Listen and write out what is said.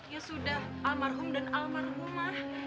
ya sudah almarhum dan almarhumah